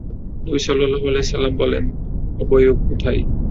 নবী সাল্লাল্লাহু আলাইহি ওয়াসাল্লাম বললেন, আবু আইয়ুব কোথায়?